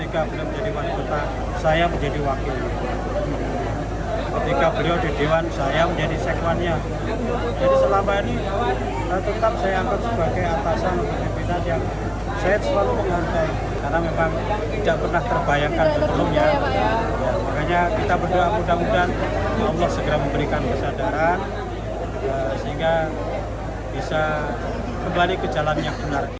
kita berdoa mudah mudahan allah segera memberikan kesadaran sehingga bisa kembali ke jalan yang benar